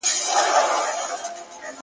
o مال دي بزگر ته پرېږده، پر خداى ئې وسپاره!